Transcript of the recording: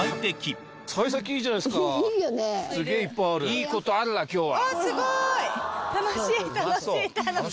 いいことあるら今日は。